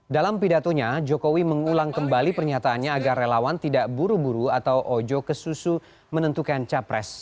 dalam pidatonya jokowi mengulang kembali pernyataannya agar relawan tidak buru buru atau ojo kesusu menentukan capres